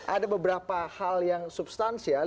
ada beberapa hal yang substansial